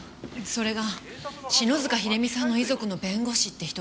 それが篠塚秀実さんの遺族の弁護士って人が。